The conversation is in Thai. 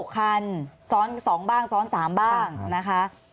คันซ้อน๒บ้างซ้อน๓บ้างนะคะ